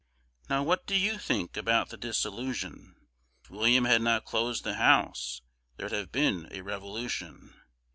Now what do you think about the Dissolution? If William had not closed the house, there'd have been a revolution.